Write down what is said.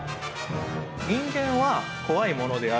「人間は怖い物である。